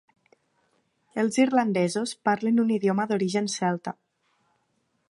Els irlandesos parlen un idioma d'origen celta.